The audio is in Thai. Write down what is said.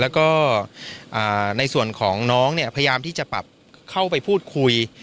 แล้วก็ในส่วนของน้องเนี่ยพยายามที่จะปรับเข้าไปพูดคุย